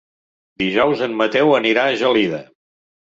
Dijous en Mateu anirà a Gelida.